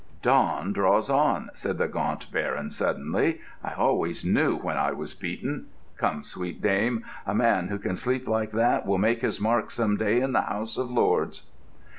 "Dawn draws on," said the Gaunt Baron suddenly. "I always knew when I was beaten. Come, sweet dame. A man who can sleep like that will make his mark some day in the House of Lords."